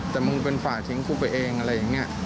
แต่มึงเป็นฝ่าทิ้งกูไปเองอะไรอย่างนี้